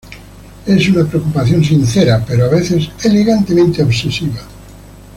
Es una preocupación sincera, pero a veces elegantemente obsesiva.